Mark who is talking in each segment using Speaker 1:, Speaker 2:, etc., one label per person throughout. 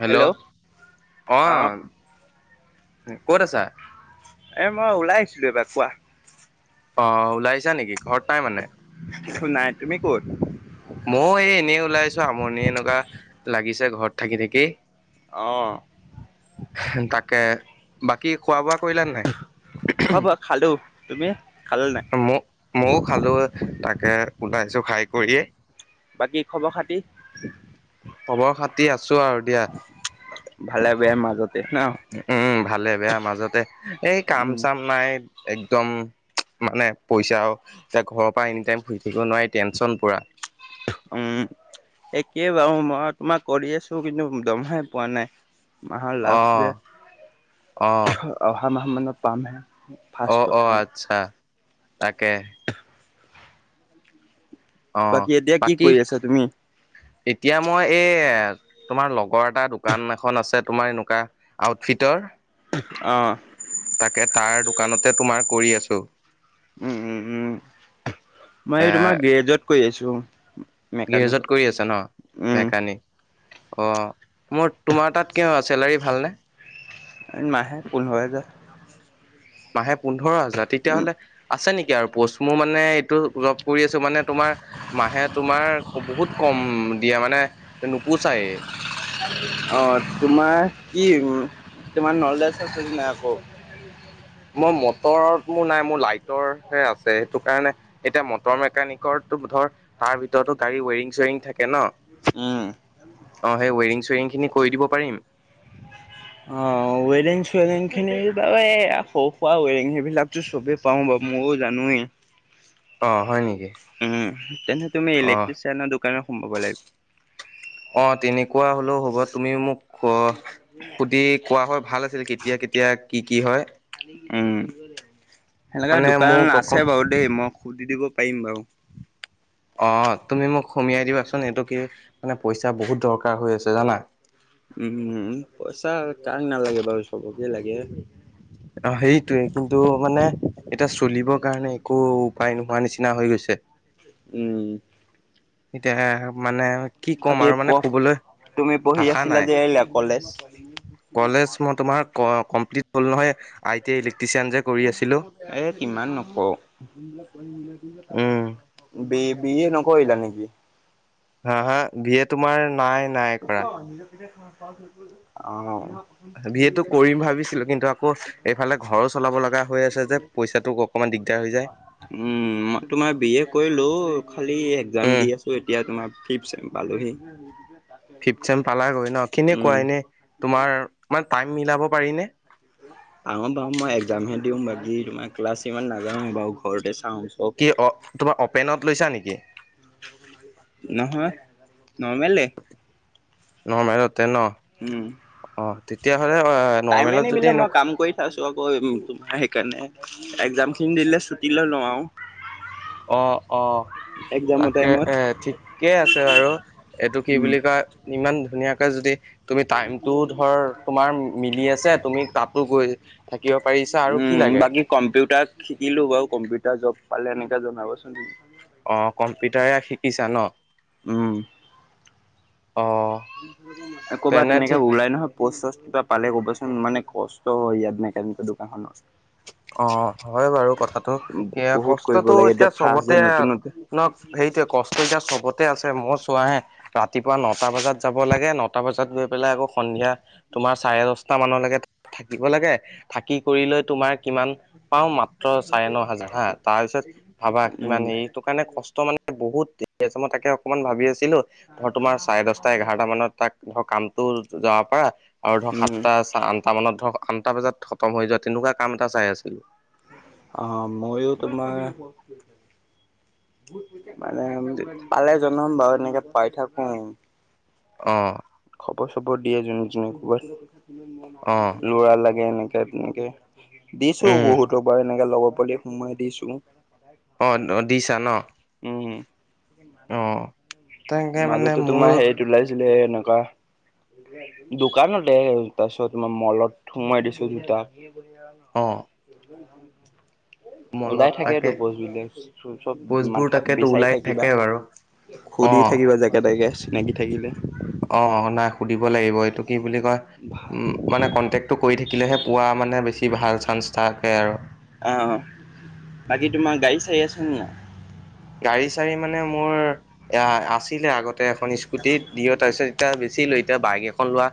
Speaker 1: Hello অ'। ক'ত আছা?
Speaker 2: এ মই ওলাই আহিছিলো এইবাৰ কোৱা।
Speaker 1: অ ওলাইছা নেকি ঘৰত নাই মানে
Speaker 2: কিছু নাই তুমি ক'ত?
Speaker 1: মই এই এনেই ওলাইছো আমণি লগা লাগিছে ঘৰত থাকি থাকি।
Speaker 2: অ
Speaker 1: তাকে বাকী খোৱা-বোৱা কৰিলা নে নাই
Speaker 2: খোৱা বোৱো খালোঁ তুমি খালা নাই
Speaker 1: মইও খালোঁ তাকে ওলাইছোঁ খাই কৰিয়ে
Speaker 2: বাকী খবৰ খাতি
Speaker 1: খবৰ খাতি আছোঁ আৰু দিয়া
Speaker 2: ভালে বেয়াৰ মাজতে ন
Speaker 1: উম ভালে-বেয়া মাজতে এই কাম
Speaker 2: উম
Speaker 1: চাম নাই [inaudible] মানে পইচা এতিয়া ঘৰৰ পৰা এনি টাইম খুজি থাকিব নোৱাৰি টেনচন পুৰা
Speaker 2: উম, একেই বাৰু, মই তোমাৰ কৰি আছোঁ কিন্তু দৰমহাই পোৱা নাই। মাহৰ
Speaker 1: অ
Speaker 2: লাষ্ট যে,
Speaker 1: অ
Speaker 2: অহা মাহমানত পামহে। ফাৰ্ষ্টত
Speaker 1: অ-অ
Speaker 2: তোমাৰ
Speaker 1: আচ্ছা তাকে অ
Speaker 2: বাকী, এতিয়া কি
Speaker 1: বাকী
Speaker 2: কৰি আছা তুমি?
Speaker 1: এতিয়া মই এই, তোমাৰ লগৰ এটা দোকান এখন আছে, তোমাৰ এনেকুৱা আউটফিট টৰ
Speaker 2: অহ
Speaker 1: তাৰ দোকানতে তোমাৰ কৰি আছোঁ।
Speaker 2: উম, উম, উম। মই,
Speaker 1: এ
Speaker 2: এই তোমাৰ গেৰেজত কৰি আছোঁ।
Speaker 1: গেৰেজত কৰি আছা ন', মেকানিক? অ মোৰ তোমাৰ তাত কিয় চেলাৰী ভালনে?
Speaker 2: এ, মাহে পোন্ধৰ হাজাৰ।
Speaker 1: মাহে পোন্ধৰ হেজাৰ
Speaker 2: উম
Speaker 1: তেতিয়াহ'লে আছে নেকি? কি আৰু পোষ্ট মোৰ মানে এইটো জপ কৰি আছো মানে তোমাৰ মাহে তোমাৰ বহুত কম দিয়া মানে, নোপোচাই
Speaker 2: অ', তোমাৰ কি ম তোমাৰ নলেছ আছে নাই আকৌ?
Speaker 1: মই মটৰট মোৰ নাই, মোৰ লাইটৰহে আছে, সেইটো কাৰণে, এতিয়া মটৰ মেকানিকৰ তোক ধৰ, তাৰ ভিতৰতো গাড়ী ৱেৰিং-চেৰিং থাকে ন?
Speaker 2: উম।
Speaker 1: অ', সেই ৱেৰিং-চেৰিংখিনি কৰি দিব পাৰিম।
Speaker 2: অ', ৱেৰিং-চেৰিংখিনি, তাৰপৰা এই, সৰু-সুৰা ৱেৰিং সেইবিলাকতো চবে পাৰোঁ বাৰু ময়ো জানোৱেই
Speaker 1: অ', হয় নেকি?
Speaker 2: উম, তেন্তে তুমি
Speaker 1: অ
Speaker 2: ইলেকট্ৰিচিয়ানৰ দোকানত সোমাব লাগিব।
Speaker 1: অ', তেনেকুৱা হ'লেও হ'ব, তুমিও মোক কোৱা সুধি কোৱা হয় ভাল আছিল কেতিয়া কেতিয়া কি কি হয়
Speaker 2: উম, সেনেকা
Speaker 1: মানে
Speaker 2: দোকান
Speaker 1: মোক
Speaker 2: আছে
Speaker 1: অকণ
Speaker 2: বাৰু দেই, মই সুধি দিব পাৰিম বাৰু
Speaker 1: অ', তুমি মোক সুমুৱাই দিবাচোন, এইটো কি, মানে পইচা বহুত দৰকাৰ হৈ আছে জানা
Speaker 2: উম পইচা কাক নালাগে বাৰু চবকে লাগে।
Speaker 1: অ', সেইটোৱেই, কিন্তু, মানে এতিয়া চলিবৰ কাৰণে একো উপায় নোহোৱা নিচিনা হৈ গৈছে।
Speaker 2: উম।
Speaker 1: এতিয়া মানে কি ক'ম
Speaker 2: বাকী
Speaker 1: আৰু মানে
Speaker 2: প-
Speaker 1: ক'বলৈ
Speaker 2: তুমি পঢ়ি
Speaker 1: ভাষা
Speaker 2: আছিলা
Speaker 1: নাই।
Speaker 2: যে এইল কলেজ।
Speaker 1: কলেজ মই তোমাৰ কমপ্লিট হ'ল নহয় আই টি ইলে
Speaker 2: এ কিমান নকওঁ
Speaker 1: উম
Speaker 2: বি এ নকৰিলা নেকি?
Speaker 1: হা - হা ভিয়ে তোমাৰ নাই নাই কৰা
Speaker 2: [unintelligible] অ'হ।
Speaker 1: বি এ টো কৰিম ভাবিছিলো, কিন্তু আকৌ এইফালে ঘৰো চলাব লগা হৈ আছে যে, পইচাটোক অকমান দিগদাৰ হৈ যায়।
Speaker 2: উম তোমাৰ বি এ কৰিলো খালি এক্সাম
Speaker 1: উম
Speaker 2: দি আছো এতিয়া তোমাৰ ফিফ্ট ছেম। পালোহি।
Speaker 1: ফিফ্ট ছেম পালাগৈ ন?
Speaker 2: উম,
Speaker 1: কেনেকুৱা এনে তোমাৰ টাইম মিলাব পাৰি নে?
Speaker 2: আহম বাহম মই এক্সামহে দিওঁ, বাকী তোমাৰ ক্লাছ ইমান নাযাওঁৱে বাৰু। ঘৰতে চাওঁ চব।
Speaker 1: কি অ' তোমাৰ অপেনত লৈছা নেকি?
Speaker 2: নহয়, নৰ্মেলে।
Speaker 1: নৰ্মেলতে ন?
Speaker 2: উম,
Speaker 1: অ তেতিয়াহ'লে
Speaker 2: টাইমে
Speaker 1: নৰ্মেলত যদি
Speaker 2: নিমিলে মই
Speaker 1: এনেকুৱা
Speaker 2: কাম কৰি খাইছো আকৌ তোমাৰ সেইকাৰণে একজাম খিনি দিলে ছুটী লৈ লওঁ আৰু।
Speaker 1: অহ - অহ।
Speaker 2: এক্জামৰ
Speaker 1: তাকে
Speaker 2: টাইমত
Speaker 1: এ ঠিকেই আছে বাৰু এইটো কি
Speaker 2: উম।
Speaker 1: বুলি কয় ইমান ধুনীয়াকে যদি তুমি টাইমটো ধৰ তোমাৰ মিলি আছে তুমি তাতো গৈ থা
Speaker 2: উম, বাকী কম্পিউটাৰ শিকিলো বাৰু কম্পিউটাৰ জব পালে এনেকে জনাবচোন।
Speaker 1: অহ, কম্পিউটাৰে শিকিছা ন।
Speaker 2: উম।
Speaker 1: অ
Speaker 2: এ ক'বাত
Speaker 1: তেনে
Speaker 2: তেনেকে
Speaker 1: ঠিক
Speaker 2: ওলাই নহয় পষ্ট চচ। কিবা পালে কবাচোন মানে কষ্ট হয় ইয়াত মেকানিকৰ দোকানখনত।
Speaker 1: অ'হ হয় বাৰু কথাটো, সেয়া
Speaker 2: বহুত কৰিব
Speaker 1: কষ্টটো
Speaker 2: লাগে
Speaker 1: এতিয়া
Speaker 2: ফাৰ্ষ্ট যে
Speaker 1: চবতে
Speaker 2: নতুন নতুন
Speaker 1: নক সেইটোয়ে কষ্ট এতিয়া চবতে আছে, মই চোৱাহে ৰাতিপুৱা নটা বজাত যাব লাগে ন টা বজাত গৈ পেলাই আকৌ সন্ধিয়া তোমাৰ চাৰে দহটা মানলৈকে থাকিব লাগে, থাকি কৰি লৈ তোমাৰ পাও মাত্ৰ চাৰে ন হাজাৰ হা তাৰ পিছত ভাবা কিমান
Speaker 2: উম
Speaker 1: হেৰি টো কাৰণে কষ্ট মানে বহুত [unintelligible] আছে মই তাকে অকণমান ভাবি আছিলো, ধৰ তোমাৰ চাৰে দহটা এঘাৰটা মানত তাক ধৰ কাম যাব পাৰা আৰু ধৰ
Speaker 2: উম
Speaker 1: সাতটা আঠটা মানত ধৰক আঠটা বজাত খতম হৈ যোৱা তেনেকুৱা কাম এটা চাই আছিলো।
Speaker 2: অহ ময়ো তোমাৰ মানে পালে জনাম বাৰু এনেকে পাই থাকো।
Speaker 1: অহ।
Speaker 2: খবৰ চবৰ দিয়ে [unintelligible] ক'বাত
Speaker 1: অ',
Speaker 2: ল'ৰা লাগে এনেকে। নেকে তেনেকে দিছো
Speaker 1: উম,
Speaker 2: বহুতক বাৰু এনেকে লগৰ পোৱালি সুমুৱাই দিছো।
Speaker 1: অ', দিছা ন?
Speaker 2: উম।
Speaker 1: অ', তাকে মানে
Speaker 2: মাজতে তোমাৰ
Speaker 1: মোৰো
Speaker 2: হেৰিত ওলাইছিলে এনেকুৱা দোকানতে, তাৰপিছত মই মলত সোমোৱাই দিছো দুটাক। [inaudible]
Speaker 1: অ',
Speaker 2: ওলাই
Speaker 1: মলত তাকে
Speaker 2: থাকেতো পোষ্টবিলাক চব
Speaker 1: পোষ্টবোৰ
Speaker 2: মাথা
Speaker 1: তাকেতো
Speaker 2: বিচাৰি
Speaker 1: ওলাই
Speaker 2: থাকিবা।
Speaker 1: থাকে বাৰু।
Speaker 2: সুধি
Speaker 1: অ',
Speaker 2: থাকিবা যাকে তাকে চিনাকি থাকিলে।
Speaker 1: অ', নাই সুধিব লাগিব এইটো কি বুলি কয় মানে কণ্টেকটো কৰি থা কিলেহে পোৱা মানে বেছি ভাল চান্স থাকে আৰু।
Speaker 2: আহ বাকী তোমাৰ গাড়ী চাৰি আছে নে নাই?
Speaker 1: গাড়ী চাড়ী মানে মোৰ এ আছিলে আগতে এখন ইচ স্কুটিত দিঅ, তাৰপিছত এতিয়া বেচিলো এতিয়া বাইক এখন লোৱা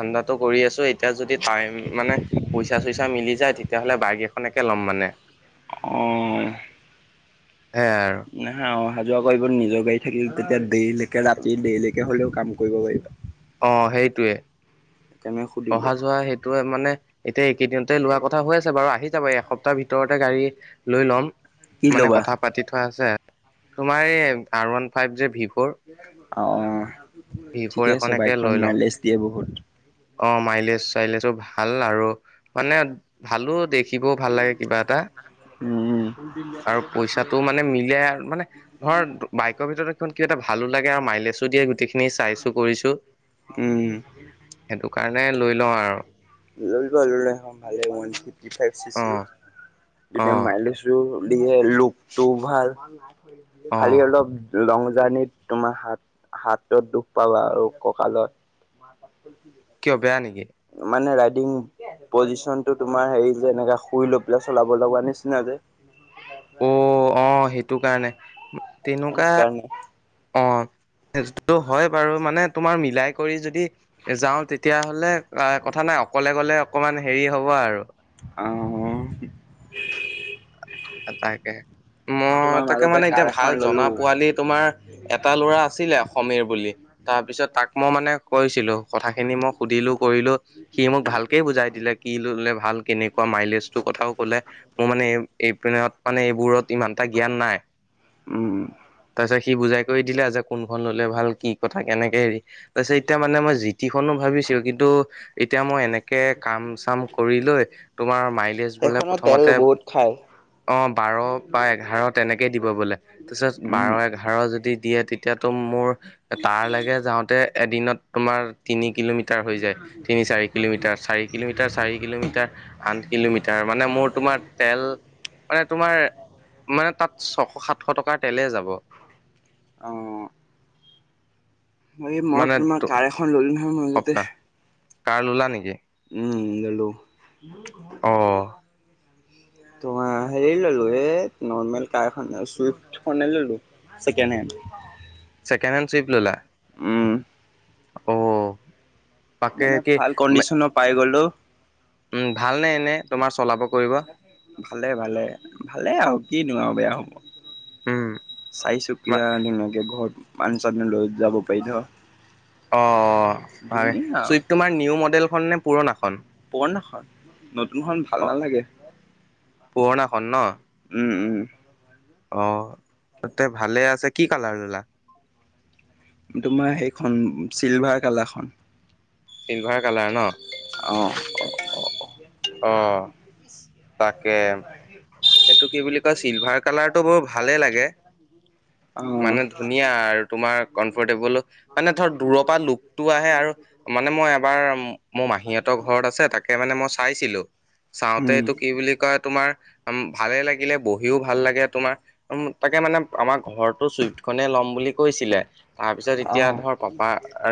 Speaker 1: ধাণ্ডাটো কৰি আছো এই এতিয়া যদি টাইম মানে পইচা চইচা মিলি যায় তেতিয়য়াহ'লে বাইক এখনকে ল'ম মানে।
Speaker 2: অহ।
Speaker 1: সেয়াই আৰু।
Speaker 2: অহা যোৱা কৰিব নিজৰ গাড়ী থাকিলে তেতিয়া দেৰিলেকে ৰাতি দেৰিলেকে হ'লেও কাম কৰিব পাৰিবা।
Speaker 1: অহ সেইটোৱে।
Speaker 2: সেইকাৰণে সুধিলো
Speaker 1: অহা যোৱা সেইটোৱে মানে এতিয়া এইকেইদিনতে লোৱা কথা হৈ আছে বাৰু আহি যাব এসপ্তাহ ভিতৰতে গাড়ী লৈ লম
Speaker 2: কি
Speaker 1: মানে
Speaker 2: ল'বা
Speaker 1: কথা পাতি থোৱা আছে। তোমাৰ এই আৰ ওৱান ফাইভ যে ভিভ
Speaker 2: অ',
Speaker 1: ভি ফ'ৰ
Speaker 2: ঠিকে আছে
Speaker 1: এখনকে
Speaker 2: বাইকখন
Speaker 1: লৈ লওঁ
Speaker 2: মাইলেজ দিয়ে বহুত।
Speaker 1: অ', মাইলেজ চাইলেছো ভাল আৰু মানে ভালো দেখি শিকিবও ভাল লাগে কিবা এটা।
Speaker 2: উম
Speaker 1: আৰু পইচাটো মানে মিলে মানে ধৰ বাইকৰ ভিতৰত কিবা এটা ভালো লাগে আৰু মাইলেছো দিয়ে, গোটেইখিনি চাইছো কৰিছো।
Speaker 2: উম
Speaker 1: সেইটো কাৰণে লৈ লওঁ আৰু।
Speaker 2: লৈ লোৱা সেইখন ল'লে ভালে ৱান ফিফটিফাইব‌ চি
Speaker 1: অ
Speaker 2: চিৰ
Speaker 1: অ
Speaker 2: আৰু মাইলাছো। দিয়ে লুকটো ভাল,
Speaker 1: অ
Speaker 2: খালি অলপ লং জাৰ্ণিত তোমাৰ হাত, হাতত দুখ পাবা আৰু কঁকালত।
Speaker 1: কিয় বেয়া নেকি?
Speaker 2: মানে ৰাইডিং পজিচন টো তোমাৰ হেৰি যে, এনেকা শুই লৈ পেলাই চলাব লগা নিচিনা যে [unintelligible]
Speaker 1: তটো কাৰণে তেনেকুৱা
Speaker 2: সেইকাৰণে
Speaker 1: অ', সেইটো হয় বাৰু মানে তোমাৰ ম মিলাই কৰি যদি যাওঁ তেতিয়া হলে কথা নাই, অকলে গলে অকমান হেৰি হ'ব আৰু
Speaker 2: অ',
Speaker 1: এ তাকে, মই
Speaker 2: তোমাৰ
Speaker 1: তাকে
Speaker 2: মাজতে
Speaker 1: মানে
Speaker 2: কাৰ
Speaker 1: এতিয়া ভাল
Speaker 2: এখন ললো
Speaker 1: জনা পোৱালি তোমাৰ এটা ল'ৰা আছিলে সমীৰ বুলি। তাৰপিছত তাক মই মানে কৈছিলোঁ। কথা খিনি মই সুধিলোঁ কৰিলোঁ, সি মোক ভালকে বুজাই দিলে কি ললে ভাল কেনেকুৱা মাইলেজ টো। কথাও কলে মোৰ মানে এইপিনেত মানে এইবোৰত ইমান এটা জ্ঞান নাই।
Speaker 2: উম,
Speaker 1: তাৰপিছত সি বুজাই কৰি দিলে আৰু যে কোনখন ল'লে ভাল কি কথা কেনেকে হেৰি তাৰ পিছত এতিয়া মানে মই জিতিখনো ভাবিছিলোঁ, কিন্তু এতিয়া মই এনেক কে কাম-চাম কৰি লৈ তোমাৰ মাইলেজ বোলে
Speaker 2: সেইখনত তেল
Speaker 1: প্ৰথমতে
Speaker 2: বহুত খায়।
Speaker 1: অ', বাৰ বা এঘাৰ তেনেকেই দিব বোলে, তাৰপিছত
Speaker 2: উম
Speaker 1: বাৰ এঘাৰ যদি দিয়ে তেতিয়াতো মোৰ তাৰ লাগে যাওঁতে, এদিনত তোমাৰ তিনি কিলোমিটাৰ হৈ যায় তিনি চাৰি কিলোমিটাৰ চাৰি কিলোমিটাৰ চাৰি কিলোমিটাৰ আন কিলোমিটাৰ মানে মোৰ তোমাৰ তেল মানে তোমাৰ মানে তাত ছশ সাতশ টকাৰ তেলে যাব।
Speaker 2: অ'। অ', মই তোমাৰ
Speaker 1: মানে
Speaker 2: কাৰ এখন ললো নহয় মাজতে।
Speaker 1: সপ্তাহ কাৰ ললা নেকি?
Speaker 2: উম ললোঁ।
Speaker 1: অ'।
Speaker 2: তোমাৰ হেৰি ললো এ নৰ্মেল কাৰ এখনে ছুইফট খনেই ললোঁ ছেকেণ্ডহেণ্ড।
Speaker 1: ছেকেণ্ড হেণ্ড ছুইফট ল'লা?
Speaker 2: উম।
Speaker 1: অ'। তাকে
Speaker 2: মানে
Speaker 1: কি,
Speaker 2: ভাল কণ্ডিচনৰ পাই গ'লো
Speaker 1: উম ভাল নে এনে তোমাৰ চলাব? কৰিব
Speaker 2: ভালে, ভালে, ভালে আৰু কিনো আৰু বেয়া
Speaker 1: উম
Speaker 2: হব। চাইচুকীয়া ধুনীয়াকে ঘৰত মানুহ চানুহ লৈ যাব পাৰি ন।
Speaker 1: অ', হয় চুইপ তোমাৰ নিউ মডেলখন নে পুৰণাখন?
Speaker 2: পুৰণাখন নতুনখন
Speaker 1: অ
Speaker 2: ভাল নালাগে।
Speaker 1: পুৰণাখন ন?
Speaker 2: উম, উম।
Speaker 1: অ', তে ভালে আছে কি কালাৰ ল'লা?
Speaker 2: তোমাৰ সেইখন চিলভাৰ কালাৰখন
Speaker 1: চিলভাৰ কালাৰ ন?
Speaker 2: অ'।
Speaker 1: অ তাকে সেইটো কি বুলি কয় চিলভাৰ কালাৰটো বৰু ভালেই লাগে
Speaker 2: অ
Speaker 1: মানে ধুনীয়া আৰু তোমাৰ কমফৰ্টেবলো মানে ধৰ দূৰৰ পৰা লুকতটো আহে আৰু মানে মই আমাৰ মাহি সেতৰ ঘৰত আছে সেকানে চাইছিলো চাওঁতে
Speaker 2: উম,
Speaker 1: এইটো কি বুলি কয় তোমাৰ ভালে লাগিলে বহিও ভাল লাগে তোমাৰ তাকে মানে আমাৰ ঘৰটো চুইফ্ট খনে ল'ম বুলি কৈছিলে তাৰপিছত এতিয়া
Speaker 2: অ',
Speaker 1: ধৰ পাপা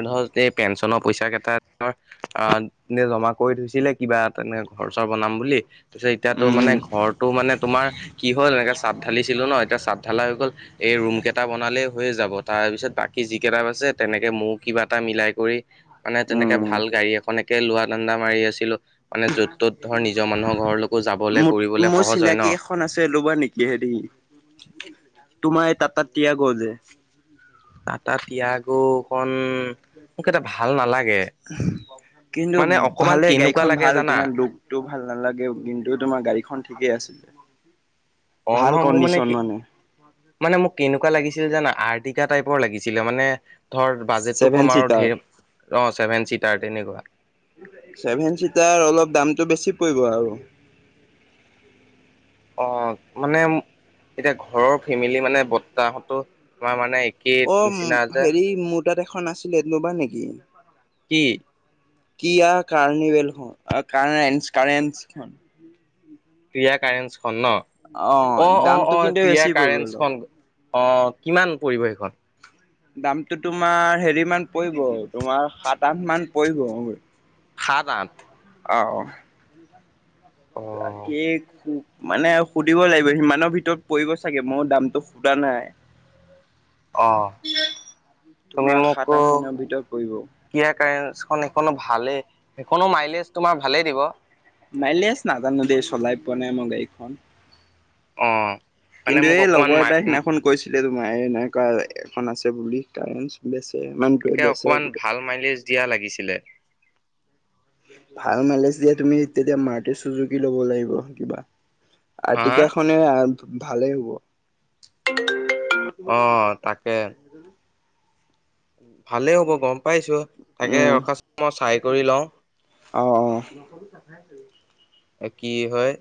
Speaker 1: ধৰেই পেঞ্চনৰ পইচা কেইটাৰে জমা কৰি থৈছিলে কিবা তেনেকে ঘৰ চৰ বনাম বুলি পিছে ত এতিয়া ত মানে
Speaker 2: উম,
Speaker 1: ঘৰটৌ মানে তোমাৰ কি হ'ল এনেকে চাত ঢালিছিলো ন এতিয়া চাত ঢালা হৈ গ'ল। এই ৰুম কেইটা বনালেই হৈে যাব তাৰপিছত বাকী যি কেইটা আছে তেনেকে মোৰ কিবা এটা মিলাই কৰি মানে তেনেকে
Speaker 2: উম।
Speaker 1: ভাল গাড়ী এখন একে লোৱা দান্দা মাৰি আছিলো মানে য'ত ত'ত ধৰ নিজৰ মানুহৰ ঘৰলৈকো যাবলৈ
Speaker 2: মোৰ
Speaker 1: কৰিবলৈ
Speaker 2: মোৰ
Speaker 1: সহজ হয়
Speaker 2: চিনাকি
Speaker 1: ন [inaudible]
Speaker 2: এখন আছে ল'বা নেকি হেৰি তোমাৰ এইটা তাত তিয়াগ যে
Speaker 1: আটা তিয়াগু কন মোক এটা ভাল নালাগে।
Speaker 2: কিন্তু
Speaker 1: মানে অকমান
Speaker 2: ভালে গাড়ী
Speaker 1: কেনেকুৱা
Speaker 2: খন
Speaker 1: লাগে
Speaker 2: ভাল
Speaker 1: জানা
Speaker 2: তোমাৰ লুকতটো ভাল নালাগে কিন্তু তোমাৰ তমাৰ গাড়ীখন ঠিকেই আছিলে
Speaker 1: অ
Speaker 2: ভাল
Speaker 1: নহয় মোৰ মানে
Speaker 2: কণ্ডিচন
Speaker 1: কি মানে মোক কেনেকুৱা লাগিছিল যোনা আৰ্টিকা টাইপৰ লাগিছিল মানে ধৰ বাজেটটো
Speaker 2: ছেভেন
Speaker 1: কম আৰু
Speaker 2: চিটাৰ
Speaker 1: ধে অ চছেভেন চিত। তাৰ তেনেকুৱা
Speaker 2: ছেভেন চিটাৰ অলপ দামটো বেছি পৰিব আৰু
Speaker 1: অ মানে এতিয়া ঘৰৰ ফেমিলি মানে বত্তাহতো তমাৰ মানে একেই
Speaker 2: অ
Speaker 1: নিচিনা যে
Speaker 2: হেৰি মোৰ তাত এখন আছিলেনোবা নেকি
Speaker 1: [unintelligible]
Speaker 2: কি কাৰনিভেল
Speaker 1: ক্ৰিয় কাৰেন্ঞ্চখন ন অ
Speaker 2: দামটো
Speaker 1: অ অ
Speaker 2: কিন্তু
Speaker 1: ক্ৰিয়
Speaker 2: বেছি পৰিব অলপ
Speaker 1: কাৰেন্ঞ্চখন অ কিমান পৰিৱেশত
Speaker 2: দামটো তোমাৰ হেৰি মান পৰিব তোমাৰ সাত আঠ মান পৰিব
Speaker 1: সাত আঠ
Speaker 2: অ।
Speaker 1: অ
Speaker 2: আ কেক চু মানে সুধিব লাগিব সিমানৰ ভিতৰত পৰিব চাগে মোৰ দামটো সুধা নাই
Speaker 1: অহ। তুমি
Speaker 2: তোমাৰ
Speaker 1: মোক
Speaker 2: সাত আঠ মানৰ ভিতৰত পৰিব
Speaker 1: কিয় কাৰখন সেখন ভালেই সখনো মাইলেজ তোমাৰ ভালেই দিব
Speaker 2: মাইলেছ নাজানো দে চলাই পোৱা নাই মই গাড়ীখন।
Speaker 1: মানে
Speaker 2: কিন্তু
Speaker 1: মোক
Speaker 2: এই
Speaker 1: অকমান
Speaker 2: লগৰ
Speaker 1: মা
Speaker 2: এটাৰ সিদিনাখন কৈছি তোমাৰ এনেকুৱা এখন আছে বুলি কাৰণ বে
Speaker 1: তাকে অকমান ভাল মাইলেজ দিয়া লাগিছিলে।
Speaker 2: ভাল মালেচ দিয়া তুমি তেতিয়া মাটিৰ চুজুকি ল'ব লাগিব কিবা
Speaker 1: হা হা
Speaker 2: আৰ্টিকাখনে ভালেই হ'ব
Speaker 1: অ তাকে ভালেই হ'ব গম পাইছো তাকে
Speaker 2: উম
Speaker 1: ৰখা মই চাই কৰি লওঁ
Speaker 2: অঁ অঁ
Speaker 1: কি হয়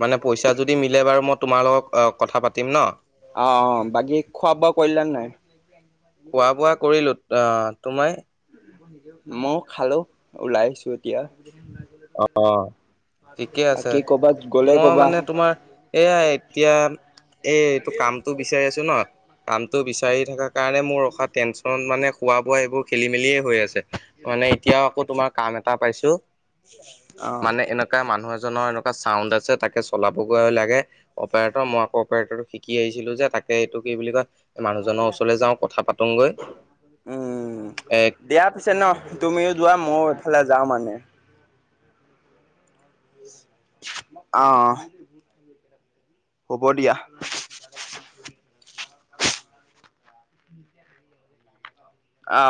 Speaker 1: মানে পইচা যদি মিলে বাৰু মই তোমাৰ লগক কথা পাতিম ন।
Speaker 2: অ, অ, বাকী খোৱা বোৱা কৰিলানে নাই।
Speaker 1: খোৱা বোৱা কৰিলো অ তোমাৰ
Speaker 2: মই খালোঁ ওলাইছো এতিয়া
Speaker 1: অ'। ঠিকে আছে
Speaker 2: বাকী ক'বা। গ'লে
Speaker 1: মই মানে তোমাৰ এইয়া এতিয়া এই এইটো কামটো বিচাৰি আছো ন। কামটো বিচাৰি থকা কাৰণে মোৰ ৰখা টেনচন মানে খোৱা বোৱা এইবোৰ খেলি মেলিয়েই হৈ আছে। মানে এতিয়া আকৌ তোমাৰ কাম এটা পাইছো।
Speaker 2: অ
Speaker 1: মানে এনেকুৱা মানুহ আছ ন এনেকুৱা চাউন্ড আছে তাকে চলাবগৈ লাগে। অপাৰেটৰ মই আকৌ অপাৰেটৰটো শিকি আহিছিলো যে তাত এই এইটো কি বুলি কয় মানুহজনৰ ওচৰলৈ যাওঁ কথা পাতোগৈ
Speaker 2: উম
Speaker 1: এ
Speaker 2: দিয়া পিছে ন। তুমিও যোৱা মইও এইফালে যাওঁ মানে। অ'। হ'ব দিয়া। [inaudible] অ,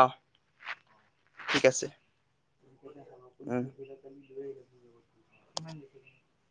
Speaker 2: ঠিক আছে। উম।